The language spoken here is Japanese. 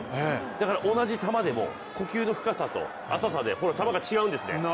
だから同じ球でも呼吸の深さと浅さで、ほら、球が違うんですね。